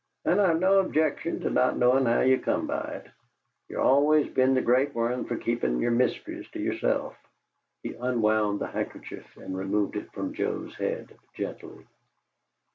"And I've no objection to not knowin' how ye come by it. Ye've always been the great one fer keepin' yer mysteries to yerself." He unwound the handkerchief and removed it from Joe's head gently.